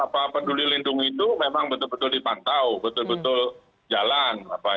peduli lindung itu memang betul betul dipantau betul betul jalan